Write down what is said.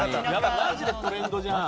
マジでトレンドじゃん。